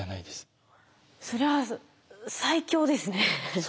それは最強ですね。